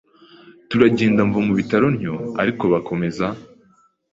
turagenda mva mu bitaro ntyo ariko bakomeza